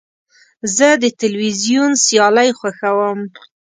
زه د تلویزیون سیالۍ خوښوم.